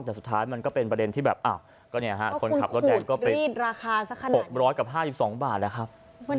แต่สุดท้ายมันก็เป็นประเด็นที่แบบคนขับรถแดงก็เป็นมีดราคาสัก๖๐๐กับ๕๒บาทนะครับ